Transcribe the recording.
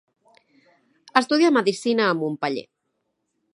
Estudià medicina a Montpeller.